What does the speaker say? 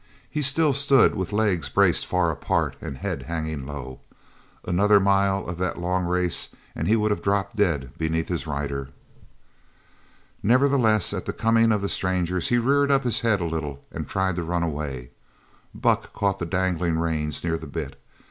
He still stood with legs braced far apart, and head hanging low. Another mile of that long race and he would have dropped dead beneath his rider. Nevertheless at the coming of the strangers he reared up his head a little and tried to run away. Buck caught the dangling reins near the bit.